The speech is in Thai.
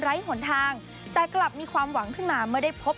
ไร้หนทางแต่กลับมีความหวังขึ้นมากำลังไม่ได้พบ